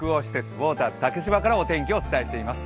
ウォーターズ竹芝から天気をお伝えしています。